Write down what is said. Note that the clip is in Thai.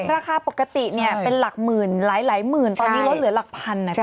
ราคาปกติเป็นหลักหมื่นหลายหมื่นตอนนี้ลดเหลือหลักพันนะจ